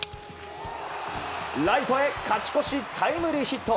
ライトへ勝ち越しタイムリーヒット。